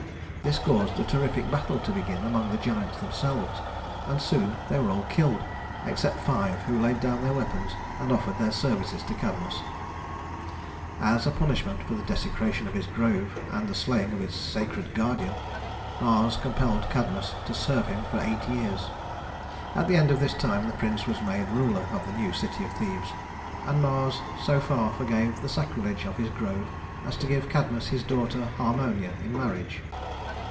This caused a terrific battle to begin among the giants themselves, and soon they were all killed except five who laid down their weapons and offered their services to Cadmus. As a punishment for the desecration of his grove and the slaying of its sacred guardian, Mars compelled Cadmus to serve him for eight years. At the end of this time the prince was made ruler of the new city of Thebes, and Mars so far forgave the sacrilege of his grove as to give Cadmus his daughter Harmonia in marriage.